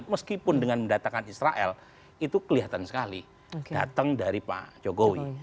meskipun dengan mendatangkan israel itu kelihatan sekali datang dari pak jokowi